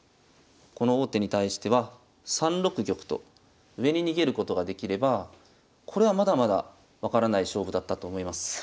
この王手に対しては３六玉と上に逃げることができればこれはまだまだ分からない勝負だったと思います。